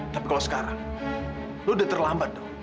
tapi kalau sekarang lu udah terlambat dong